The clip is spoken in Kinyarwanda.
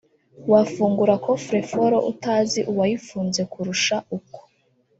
wafungura coffre fort utazi uwayifunze kurusha uko